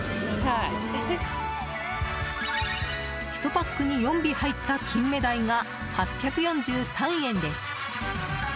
１パックに４尾入ったキンメダイが８４３円です。